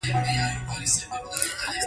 افغانان شخړي په جرګو او مرکو حل کوي.